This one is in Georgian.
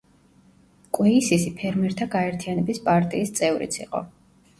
კვეისისი ფერმერთა გაერთიანების პარტიის წევრიც იყო.